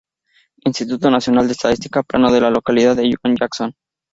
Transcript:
Instituto Nacional de Estadística: "Plano de la localidad de Juan Jackson"